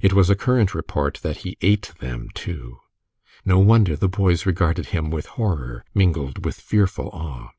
It was a current report that he ate them, too. No wonder the boys regarded him with horror mingled with fearful awe.